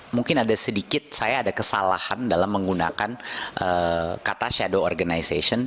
mungkin ada sedikit saya ada kesalahan dalam menggunakan kata shadow organization